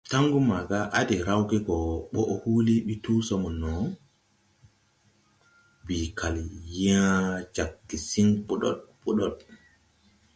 Tangu maga à de raw ge go ɓoʼ huuli ɓi tu so mo, bii kal yaa jag gesiŋ ɓodoɗ ɓodoɗ.